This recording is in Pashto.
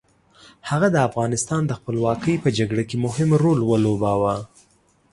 هغه د افغانستان د خپلواکۍ په جګړه کې مهم رول ولوباوه.